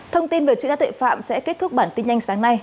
thông tin về chuyện đa tội phạm sẽ kết thúc bản tin nhanh sáng nay